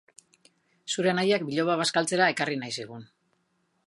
Zure anaiak biloba bazkaltzera ekarri nahi zigun.